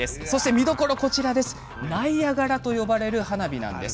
見どころはナイアガラと呼ばれる花火なんです。